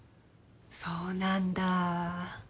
そうなんだ。